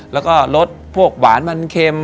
แล้วก็รสพวกหวานมันเค็ม